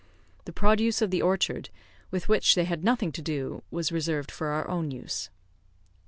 The produce of the orchard, with which they had nothing to do, was reserved for our own use.